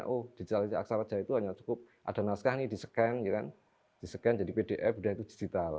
oh digital aksara jawa itu hanya cukup ada naskah disekan disekan jadi pdf dan itu digital